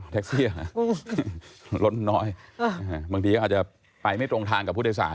แท็กซี่รถน้อยบางทีก็อาจจะไปไม่ตรงทางกับผู้โดยสาร